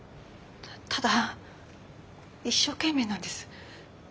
ただ一生懸命なんです。